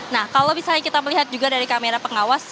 nah kalau misalnya kita melihat juga dari kamera pengawas